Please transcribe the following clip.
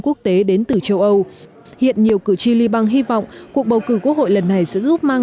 quốc tế đến từ châu âu hiện nhiều cử tri libang hy vọng cuộc bầu cử quốc hội lần này sẽ giúp mang